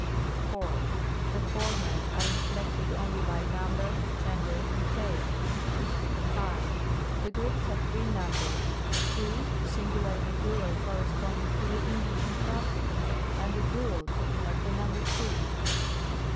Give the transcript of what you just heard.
4. The former are inflected only by number, gen der, and case. 5. The Greeks have three numbers — two, singular and plural, corresponding to the English and Latin, and the dual, to denote the number two.